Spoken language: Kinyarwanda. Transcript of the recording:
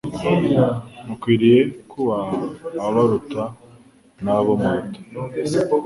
Mukwiriye kubaha ababaruta nabo muruta